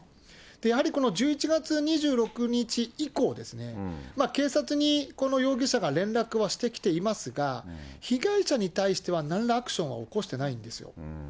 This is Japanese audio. やはりこの１１月２６日以降ですね、警察にこの容疑者が連絡はしてきていますが、被害者に対してはなんらアクションは起こしていないんですよ。